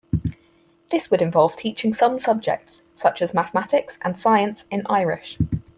This would involve teaching some subjects such as Mathematics and Science in Irish.